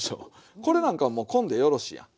これなんかもうこんでよろしいやん。